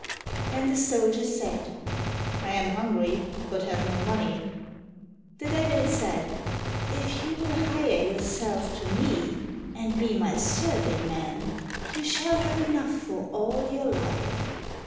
Then the soldier said, "I am hungry, but have no money." The Devil said, "If you will hire yourself to me, and be my serving man, you shall have enough for all your life.